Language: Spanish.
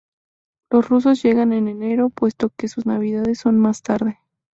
Los rusos llegan en enero, puesto que sus navidades son más tarde.